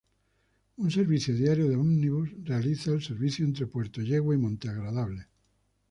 Un servicio diario de ómnibus realiza el servicio entre Puerto Yegua y Monte Agradable.